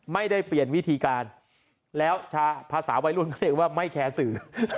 ไม่ได้เปลี่ยนวิธีการแล้วภาษาวัยรุ่นเขาเรียกว่าไม่แคร์สื่อ